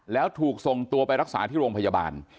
แล้วถูกส่งตัวไปรักษาที่โรงพยาบาล